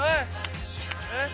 えっ？